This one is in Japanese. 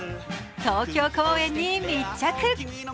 東京公演に密着。